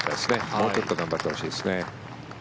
もうちょっと頑張ってほしいですね。